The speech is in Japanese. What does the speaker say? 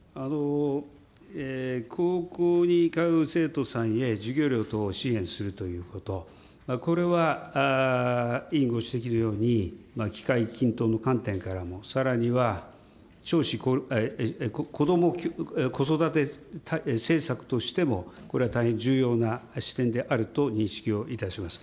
高校に通う生徒さんへ授業料等を支援するということ、これは、委員ご指摘のように、機会均等の観点からもさらには少子、こども・子育て政策としてもこれは大変重要な視点であると認識をいたします。